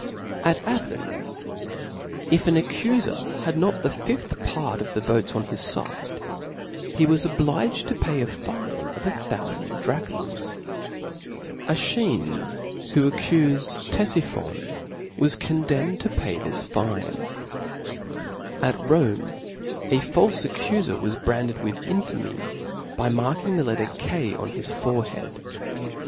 At Athens, if an accufcr had not the fifth part of the ^ votes on his fide, he was obliged to pay a fine of a thoufand drachms. ;3Efcbiftes, who accufed Ctefe phon, was condemned to pay this fine if). At(')Sce Rome, a faMc accufer was branded with itif^rny'^^fufXotii by matting the letter K oh his forehead.